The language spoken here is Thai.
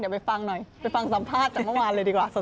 เดี๋ยวไปฟังหน่อยไปฟังสัมภาษณ์จากเมื่อวานเลยดีกว่า